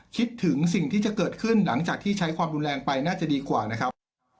คิดถึงสิ่งที่จะเกิดขึ้นหลังจากที่ใช้ความรุนแรงไปน่าจะดีกว่านะครับ